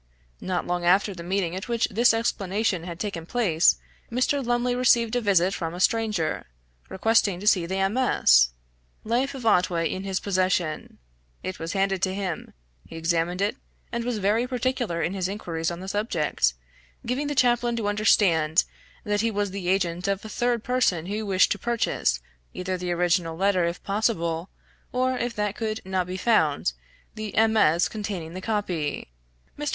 Not long after the meeting at which this explanation had taken place, Mr. Lumley received a visit from a stranger, requesting to see the MS. Life of Otway in his possession. It was handed to him; he examined it, and was very particular in his inquiries on the subject, giving the chaplain to understand that he was the agent of a third person who wished to purchase either the original letter if possible, or if that could not be found, the MS. containing the copy. Mr.